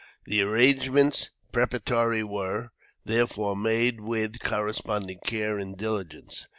The arrangements preparatory were, therefore, made with corresponding care and diligence.